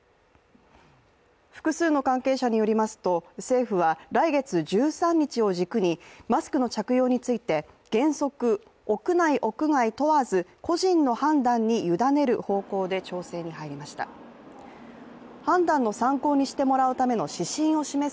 複数の関係者によりますと政府は来月１３日を軸に、マスクの着用について、原則、屋内・屋外問わず個人の判断に委ねる方向で調整に入ります。